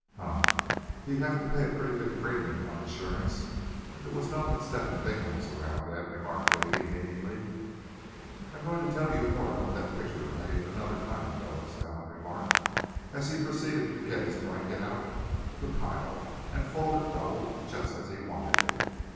"Huh! he'd have to pay a pretty big premium on insurance if it was known that Step hen Bingham was around, then," remarked Davy, meaningly. "I'm going to tell you more about that picture writing another time, fellows," Allan remarked, as he proceeded to get his blanket out of the pile, and fold it double, just as he wanted it.